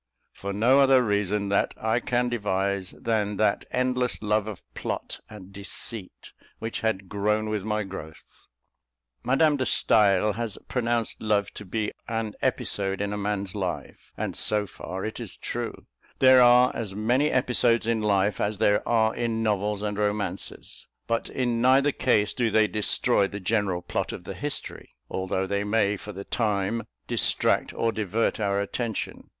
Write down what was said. For no other reason that I can devise than that endless love of plot and deceit which had "grown with my growth." Madame de Stael has pronounced love to be an episode in a man's life; and so far it is true. There are as many episodes in life as there are in novels and romances; but in neither case do they destroy the general plot of the history, although they may, for the time, distract or divert our attention.